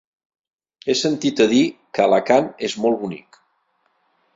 He sentit a dir que Alacant és molt bonic.